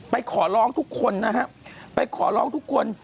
ไปขอร้องทุกคนนะครับ